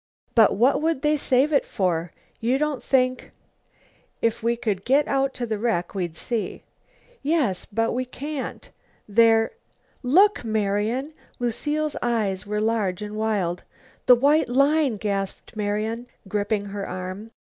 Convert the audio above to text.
"But what would they save it for? You don't think " "If we could get out to the wreck we'd see." "Yes, but we can't. There " "Look, Marian!" Lucile's eyes were large and wild. "The white line!" gasped Marian, gripping her arm.